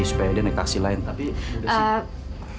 supaya dia naik taksi lain tapi ibu desi